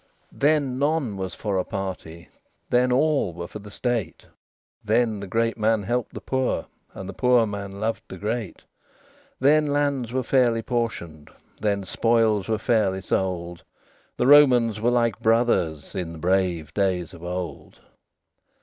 XXXII Then none was for a party; Then all were for the state; Then the great man helped the poor, And the poor man loved the great: Then lands were fairly portioned; Then spoils were fairly sold: The Romans were like brothers In the brave days of old.